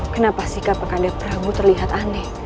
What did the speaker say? kenapa sikap kaka anda perangmu terlihat aneh